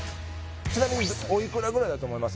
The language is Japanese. ちなみにおいくらぐらいだと思います？